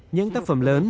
những tác phẩm lớn